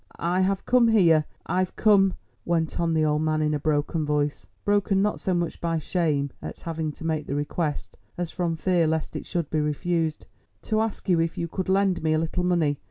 "I have come here—I've come," went on the old man in a broken voice, broken not so much by shame at having to make the request as from fear lest it should be refused, "to ask you if you could lend me a little money.